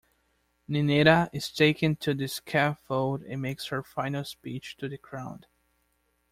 Ninetta is taken to the scaffold and makes her final speech to the crowd.